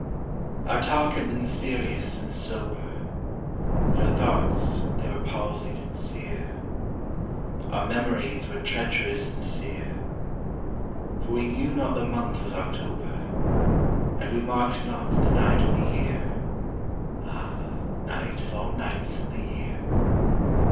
Our talk had been serious and sober, But our thoughts' they were palsied and sere, Our memories were treacherous and sere, For we knew not the month was October, And we marked not the night of the year, (Ah, night of all nights in the year